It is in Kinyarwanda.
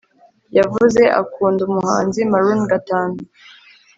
yavuze akunda umuhanzi maroon gatanu